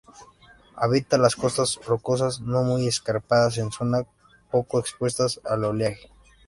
Habita las costas rocosas no muy escarpadas en zonas poco expuestas al oleaje.